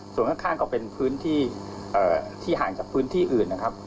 ส่วนข้างก็เป็นพื้นที่ที่ห่างจากพื้นที่อื่นนะครับ